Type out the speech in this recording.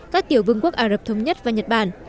các tiểu vương quốc ả rập thống nhất và nhật bản